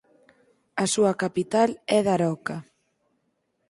A súa capital é Daroca.